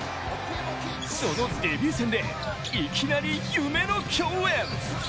そのデビュー戦でいきなり夢の共演。